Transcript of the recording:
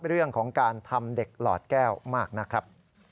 เรื่องของการทำเด็กหลอดแก้วมากนะครับ